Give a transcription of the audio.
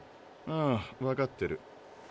ああわかってる。